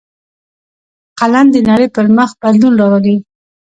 قلم د نړۍ پر مخ بدلون راولي